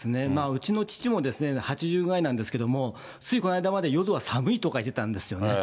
うちの父も８０ぐらいなんですけれども、ついこの間まで、夜は寒いとか言ってたんですよね。